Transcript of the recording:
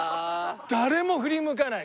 誰も振り向かない！